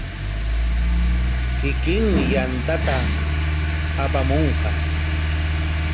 Kikinmi yantata apamunqa.